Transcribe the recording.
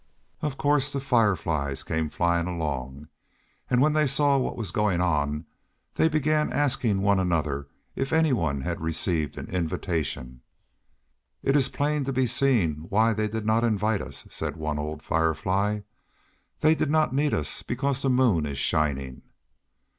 Of course, the Fireflies came flying along, and when they saw what was going on they began asking one another if anyone had received an invitation. "It is plain to be seen why they did not invite us," said one old Firefly. "They did not need us because the moon is shining."